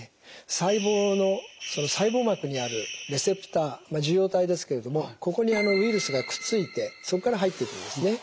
細胞の細胞膜にあるレセプター受容体ですけれどもここにウイルスがくっついてそこから入ってくるんですね。